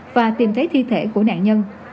và tìm thấy thi thể của nạn nhân